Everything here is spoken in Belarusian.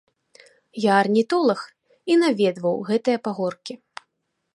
Я арнітолаг, і наведваў гэтыя пагоркі.